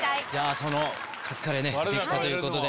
そのカツカレーできたということで。